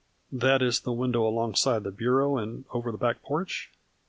" That is the window alongside the bureau and over the back porch